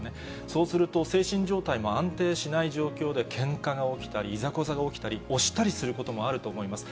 そうすると、精神状態も安定しない状況で、けんかが起きたり、いざこざが起きたり、押したりすることもあると思います。